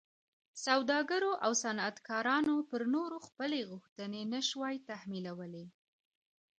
سوداګرو او صنعتکارانو پر نورو خپلې غوښتنې نه شوای تحمیلولی.